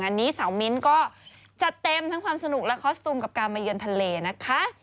นี้สาวมิ้นก็จัดเต็มทั้งความสนุกและคอสตูมกับการมาเยือนทะเลนะคะ